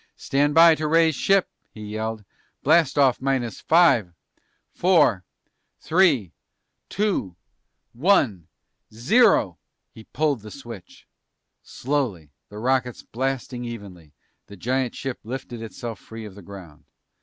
"Stand by to raise ship!" he yelled. "Blast off minus five four three two one zero!" He pulled the switch. Slowly, the rockets blasting evenly, the giant ship lifted itself free of the ground.